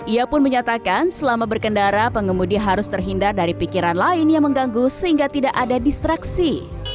ia pun menyatakan selama berkendara pengemudi harus terhindar dari pikiran lain yang mengganggu sehingga tidak ada distraksi